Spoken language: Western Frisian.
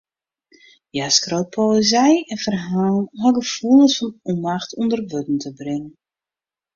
Hja skriuwt poëzy en ferhalen om har gefoelens fan ûnmacht ûnder wurden te bringen.